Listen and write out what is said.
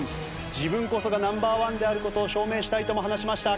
自分こそがナンバーワンである事を証明したいとも話しました。